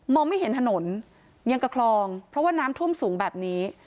ไม่เห็นถนนยังกับคลองเพราะว่าน้ำท่วมสูงแบบนี้